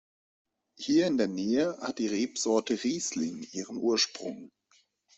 Hier in der Nähe hat die Rebsorte "Riesling" ihren Ursprung.